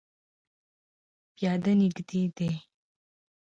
پیاده نږدې دی